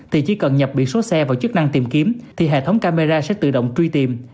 thì chỉ cần nhập biển số xe vào chức năng tìm kiếm thì hệ thống camera sẽ tự động truy tìm